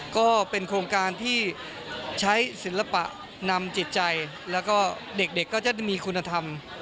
ก็เป็นโครงการที่ใช้ศิลปะนำจิตใจแล้วก็เด็กก็จะมีคุณธรรม